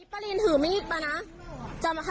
ผมว่านึกเรื่องจริงค่ะ